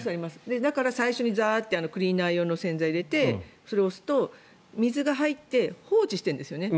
最初にクリーナー用の洗剤を入れてそれを押すと、水が入って放置してるんですよね。